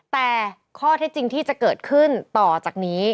แต่ข้อเท็จจริงที่จะเกิดขึ้นต่อจากนี้